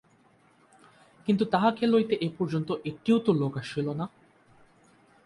কিন্তু তাহাকে লইতে এ-পর্যন্ত একটিও তো লোক আসিল না!